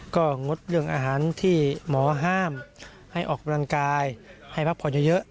ก็งดเรื่องอาหารที่หมอห้ามให้ออกกำลังกายให้พักผ่อนเยอะ